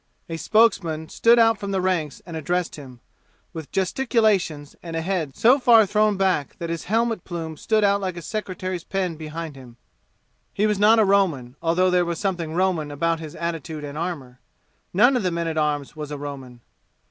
A spokesman stood out from the ranks and addressed him, with gesticulations and a head so far thrown back that his helmet plume stood out like a secretary's pen behind him. He was not a Roman, although there was something Roman about his attitude and armor. None of the men at arms was a Roman.